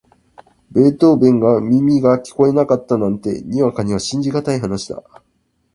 ベートーヴェンが耳が聞こえなかったなんて、にわかには信じがたい話だ。